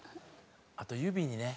あと指にね。